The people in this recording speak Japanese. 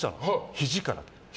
ひじからで。